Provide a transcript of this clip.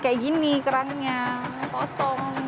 kayak gini kerangnya kosong